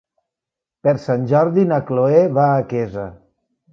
Per Sant Jordi na Chloé va a Quesa.